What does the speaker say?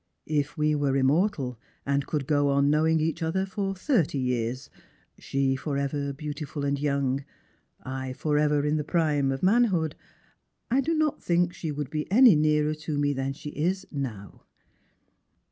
" If we were immortal, and could go on knowing each other for thirty years — she for ever beautiful and young, I forever in the prime of manhood — I do not think she would be any nearer to me than she is now."